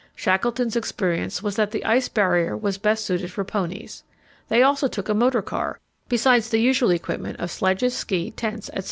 Shackleton's experience was that the Ice Barrier was best suited for ponies. They also took a motor car, besides the usual equipment of sledges, ski, tents, etc.